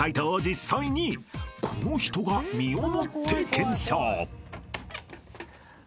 ［この人が身をもって検証］